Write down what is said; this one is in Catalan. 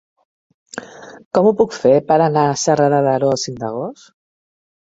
Com ho puc fer per anar a Serra de Daró el cinc d'agost?